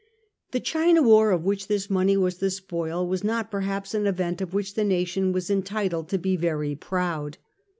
The China War of which this money was the spoil was not perhaps an event of which the nation was entitled to be very proud.